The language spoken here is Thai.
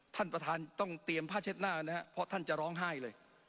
ท่านประธานต้องเตรียมผ้าเช็ดหน้านะครับเพราะท่านจะร้องไห้เลย